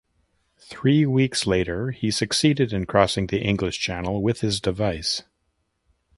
Three weeks later he succeeded in crossing the English Channel with his device.